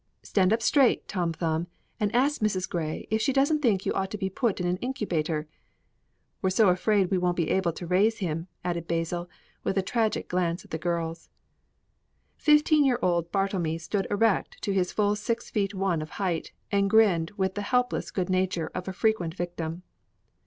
Stand up straight, Tom Thumb, and ask Mrs. Grey if she doesn't think you ought to be put in an incubator. We're so afraid we won't be able to raise him," added Basil, with a tragic glance at the girls. Fifteen year old Bartlemy stood erect to his full six feet one of height, and grinned with the helpless good nature of a frequent victim.